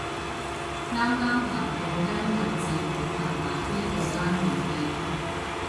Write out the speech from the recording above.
啱啱行過間有自動販賣機嘅拉麵店